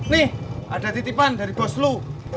nih ada titipan dari bos lo